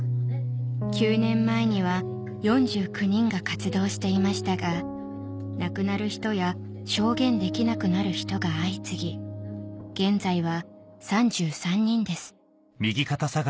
９年前には４９人が活動していましたが亡くなる人や証言できなくなる人が相次ぎ現在は３３人です